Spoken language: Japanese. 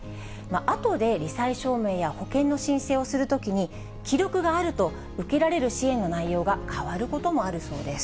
あとでり災証明や保険の申請をするときに、記録があると受けられる支援の内容が変わることもあるそうです。